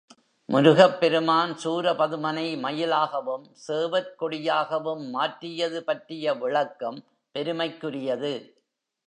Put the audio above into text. முருகப்பெருமான் சூரபதுமனை மயிலாகவும், சேவற்கொடியாகவும் மாற்றியது பற்றிய விளக்கம் பெருமைக்குரியது.